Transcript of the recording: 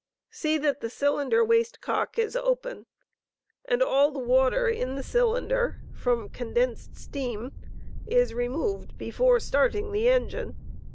See that the cylinder waste cock is open, and all the water in the cylinder from st»rti»« «. condensed steam is removed before starting the engine.